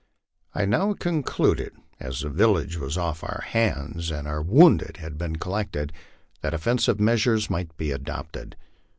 I now concluded, as the village was off our hands and our wounded had been collected, that offensive measures might be adopted.